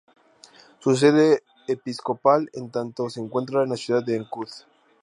Su sede episcopal en tanto, se encuentra en la ciudad de Ancud.